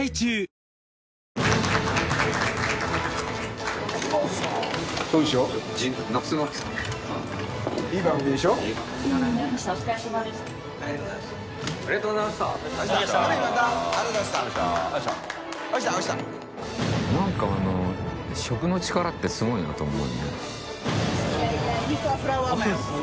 藤井）なんか食の力ってすごいなと思うよね。